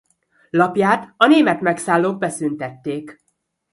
Lapját a német megszállók beszüntették.